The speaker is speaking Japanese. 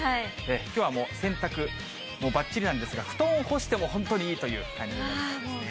きょうはもう洗濯、ばっちりなんですが、布団を干しても本当にいいという感じになりそうですね。